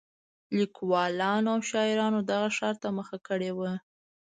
لیکوالانو او شاعرانو دغه ښار ته مخه کړې وه.